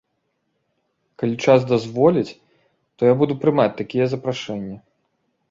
Калі час дазволіць, то я буду прымаць такія запрашэнні.